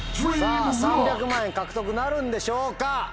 ３００万円獲得なるんでしょうか？